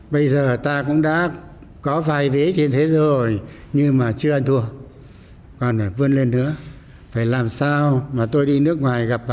bây giờ ta cũng đã có vài vế trên thế giới rồi nhưng mà chưa ăn thua còn vươn lên nữa